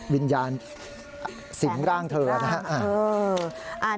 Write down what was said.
วิญญาณสิงร่างเธอนะครับ